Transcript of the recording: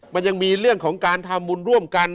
มันยังมีเรื่องของการทำบุญร่วมกัน